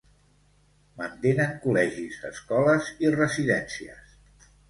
Mantenen col·legis, escoles i residències.